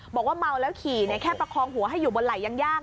บอกว่าเมาแล้วขี่แค่ประคองหัวให้อยู่บนไหล่ยังย่าง